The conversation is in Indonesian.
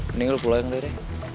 mending lu pulang dede